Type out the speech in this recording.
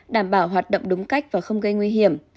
đảm bảo hoạt động đúng cách và không gây nguy hiểm